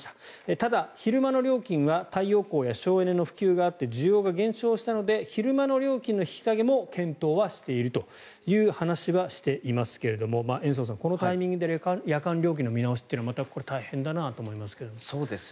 ただ、昼間の料金は太陽光や省エネの普及があって需要が減少したので昼間の料金の引き下げも検討はしているという話はしていますが延増さんこのタイミングで夜間料金の見直しは大変だなと思いますが。